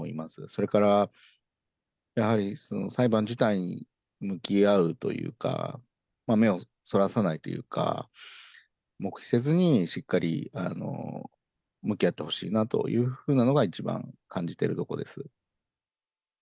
それから、やはり裁判自体に向き合うというか、目をそらさないというか、黙秘せずに、しっかり向き合ってほしいなというふうなのが一番感じてるところです。